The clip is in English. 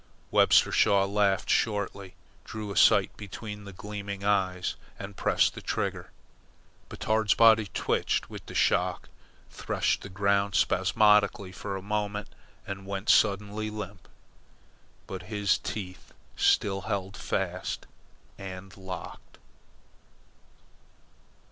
Webster Shaw laughed shortly, drew a sight between the gleaming eyes, and pressed the trigger. Batard's body twitched with the shock, threshed the ground spasmodically for a moment, and went suddenly limp. But his teeth still held fast locked.